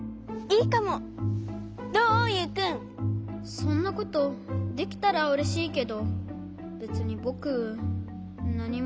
そんなことできたらうれしいけどべつにぼくなにも。